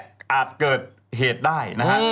อาจเกิดเหตุได้นะฮะ